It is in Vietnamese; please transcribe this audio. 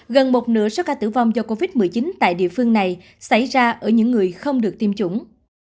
gần một nửa số ca tử vong do covid một mươi chín tại địa phương này xảy ra ở những người không được tiêm chủng